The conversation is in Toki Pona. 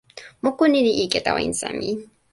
moku ni li ike tawa insa mi.